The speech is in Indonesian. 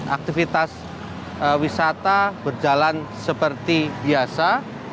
aktivitas wisata berjalan seperti biasa